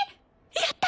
やった！